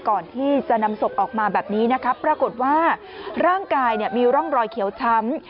ก่อนที่จะนำศพออกมาแบบนี้นะครับปรากฏว่าร่างกายมีร่องรอยเขียวช้ำ